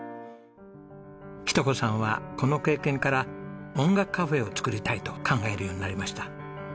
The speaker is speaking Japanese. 日登子さんはこの経験から音楽カフェを作りたいと考えるようになりました。